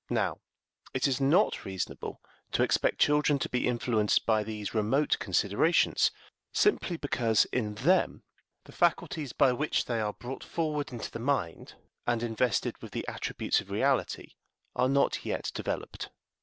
Now, it is not reasonable to expect children to be influenced by these remote considerations, simply because in them the faculties by which they are brought forward into the mind and invested with the attributes of reality are not yet developed.